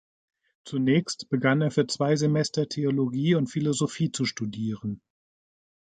Zunächst begann er für zwei Semester Theologie und Philosophie zu studieren.